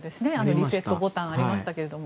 リセットボタンがありましたけども。